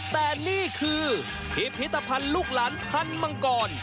แต่นี่คือพิพิธภัณฑ์ลูกหลานพันธ์มังกร